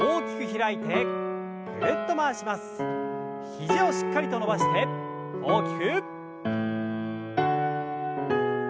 肘をしっかりと伸ばして大きく。